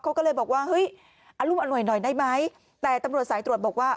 เขาก็เลยบอกว่าเฮ้ยอรุมอร่วยหน่อยได้ไหมแต่ตำรวจสายตรวจบอกว่า